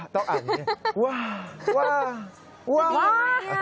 ต้องอ่านอย่างนี้ว่าว่า